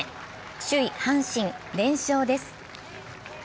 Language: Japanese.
首位・阪神、連勝です。